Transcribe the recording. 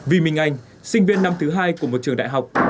vi minh anh sinh viên năm thứ hai của một trường đại học